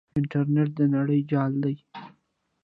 انټرنیټ د نړۍ جال دی.